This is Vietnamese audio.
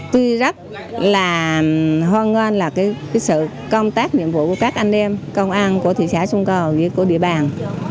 tôi rất là hoan nghênh là sự công tác nhiệm vụ của các anh em công an của thị xã sông cầu như của địa bàn